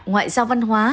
ngoại giao văn hóa